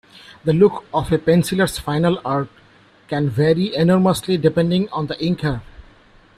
The look of a penciler's final art can vary enormously depending on the inker.